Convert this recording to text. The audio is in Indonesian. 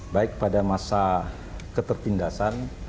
baik pada masa ketertindasan